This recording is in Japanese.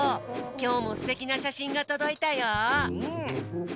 きょうもすてきなしゃしんがとどいたよ。